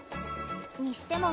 にしても